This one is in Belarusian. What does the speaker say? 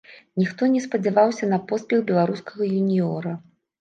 Ніхто не спадзяваўся на поспех беларускага юніёра.